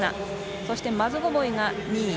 そしてマズゴボイが２位。